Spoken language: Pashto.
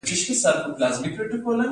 هلته څوک نه وو نو دویمې کوټې ته ورغلم